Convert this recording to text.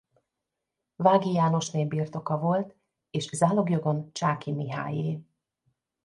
Vághi Jánosné birtoka volt és zálogjogon Csáki Mihályé.